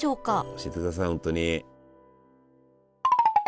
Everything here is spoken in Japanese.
教えてください本当に。